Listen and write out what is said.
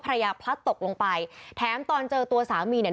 พลัดตกลงไปแถมตอนเจอตัวสามีเนี่ย